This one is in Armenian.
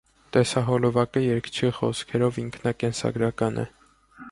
Տեսահոլովակը երգչի խոսքերով ինքնակենսագրական է։